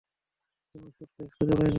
কোনো স্যুটকেস খুঁজে পাইনি।